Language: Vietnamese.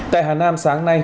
tại hà nam sáng nay